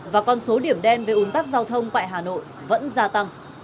và con số điểm đen về ủn tắc giao thông tại hà nội vẫn gia tăng